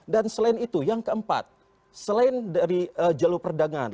dan selain itu yang keempat selain dari jalur perdagangan